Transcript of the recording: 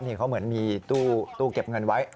นี่เขาเหมือนมีตู้เก็บเงินไว้